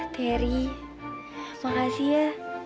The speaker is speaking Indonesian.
teri makasih ya